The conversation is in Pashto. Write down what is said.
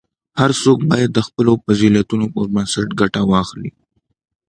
هر څوک باید د خپلو فضیلتونو پر بنسټ ګټه واخلي.